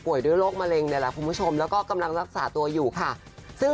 ออป่วยด้วยโลกมะเร็งแลรกและว่ากำลังรักษาตัวอยู่